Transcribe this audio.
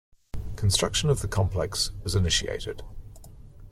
Construction of the complex was initiated.